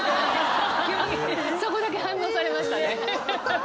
そこだけ反応されましたね。